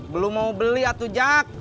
belum mau beli atut jack